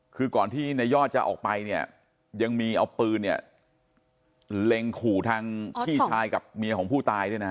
คือก่อนที่ในยอดจะออกไปเนี่ยยังมีเอาปืนเนี่ยเล็งขู่ทางพี่ชายกับเมียของผู้ตายด้วยนะ